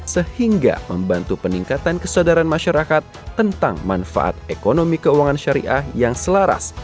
sehingga membantu peningkatan kesadaran masyarakat tentang manfaat ekonomi keuangan syariah yang selaras